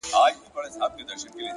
هره تجربه د ژوند نوی رنګ لري؛